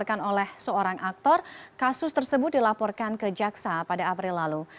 sebelum terjadi pelecehan seksual yang dilaporkan oleh seorang aktor kasus tersebut dilaporkan ke jaksa pada april lalu